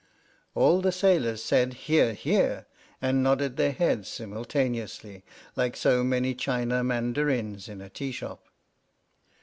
All the sailors said " Hear, hear," and nodded 19 H.M.S. "PINAFORE" their heads simultaneously, like so many china mandarins in a tea shop.